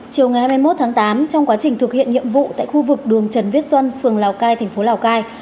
chiều ngày hai mươi một tháng tám trong quá trình thực hiện nhiệm vụ tại khu vực đường trần viết xuân phường lào cai thành phố lào cai